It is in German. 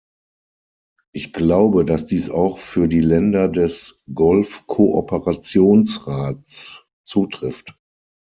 Ich glaube, dass dies auch für die Länder des Golf-Kooperationsrats zutrifft.